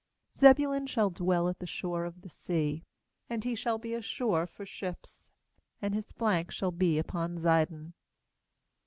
13Zebulun shall dwell at the shore of the sea, And he shall be a shore for ships, And his flank shall be upon Zidon.